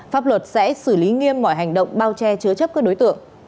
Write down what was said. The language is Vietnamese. pháp luật sẽ xử lý nghiêm mọi hành động bao che chứa chấp các đối tượng